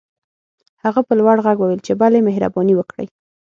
هغه په لوړ غږ وويل چې بلې مهرباني وکړئ.